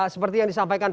seperti yang disampaikan